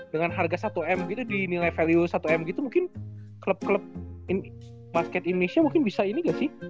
dengan harga satu m gitu di nilai value satu m gitu mungkin klub klub basket indonesia mungkin bisa ini gak sih